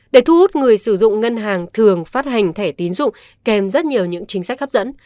để thu hút người sử dụng ngân hàng thường phát hành thẻ tín dụng kèm rất nhiều những chính sách hấp dẫn